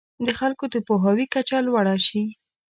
د خلکو د پوهاوي کچه لوړه شي.